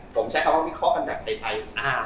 ผมใช้คำว่าพิเคราะห์ภันแบบในไพล์